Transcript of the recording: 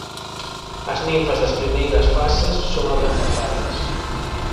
As ninfas das primeiras fases son abrancazadas.